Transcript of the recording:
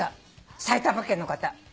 埼玉県の方。